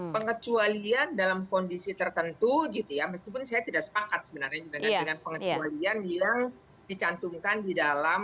pengecualian dalam kondisi tertentu gitu ya meskipun saya tidak sepakat sebenarnya dengan pengecualian yang dicantumkan di dalam